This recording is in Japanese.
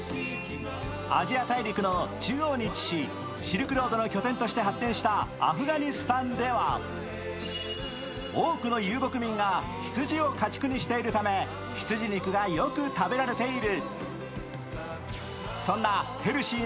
アジア大陸の中央に位置しシルクロードの拠点として発展したアフガニスタンでは多くの遊牧民が羊を家畜にしているため羊肉がよく食べられている。